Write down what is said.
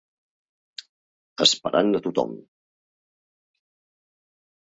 Esperant a tothom.